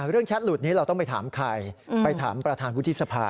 แชทหลุดนี้เราต้องไปถามใครไปถามประธานวุฒิสภา